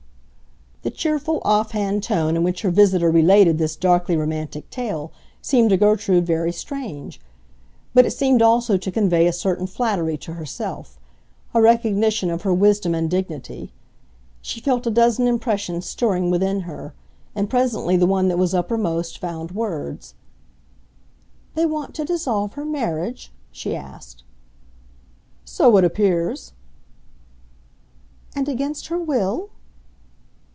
The cheerful, off hand tone in which her visitor related this darkly romantic tale seemed to Gertrude very strange; but it seemed also to convey a certain flattery to herself, a recognition of her wisdom and dignity. She felt a dozen impressions stirring within her, and presently the one that was uppermost found words. "They want to dissolve her marriage?" she asked. "So it appears." "And against her will?"